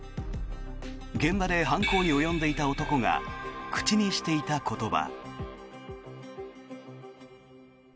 現場で犯行に及んでいた男が口にしていた言葉。